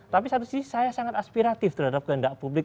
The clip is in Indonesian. tapi satu sisi saya sangat aspiratif terhadap kehendak publik